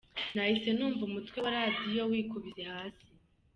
Nahise numva umutwe wa Radio wikubise hasi.